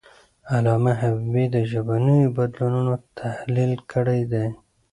علامه حبیبي د ژبنیو بدلونونو تحلیل کړی دی.